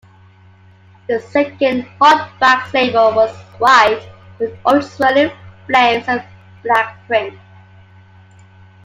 The second Hot Wax label was white with orange swirling flames and black print.